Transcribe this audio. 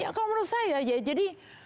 ya kalau menurut saya ya jadi